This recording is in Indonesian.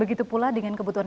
begitu pula dengan kebutuhan